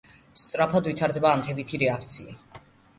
სწრაფად ვითარდება ანთებითი რეაქცია.